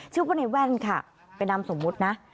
ชื่อว่าในแว่นค่ะเป็นนามสมมุตินะ